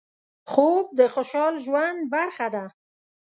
خوب د خوشحال ژوند برخه ده